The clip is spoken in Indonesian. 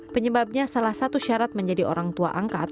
penyebabnya salah satu syarat menjadi orang tua angkat